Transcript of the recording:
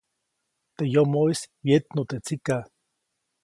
Teʼ yomoʼis wyetnu teʼ tsikaʼ.